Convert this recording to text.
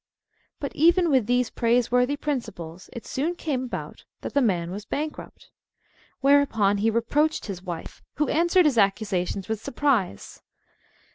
But even with these Praiseworthy Principles, it soon Came About that the Man was Bankrupt. Whereupon he Reproached his Wife, who Answered his Accusations with Surprise.